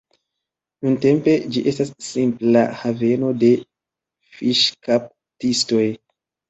Nuntempe ĝi estas simpla haveno de fiŝkaptistoj.